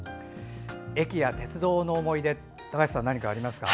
駅や鉄道の思い出高橋さんは何かありますか？